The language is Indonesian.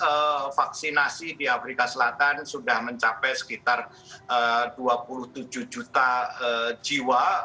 proses vaksinasi di afrika selatan sudah mencapai sekitar dua puluh tujuh juta jiwa